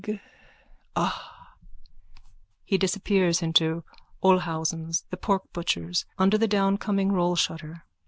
g. Ah! _(He disappears into Olhausen's, the porkbutcher's, under the downcoming rollshutter.